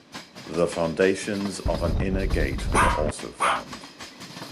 The foundations of an inner gate were also found.